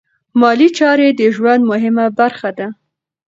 مالي چارې د ژوند مهمه برخه ده.